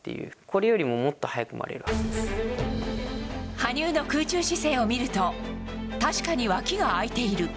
羽生の空中姿勢を見ると確かに、わきが開いている。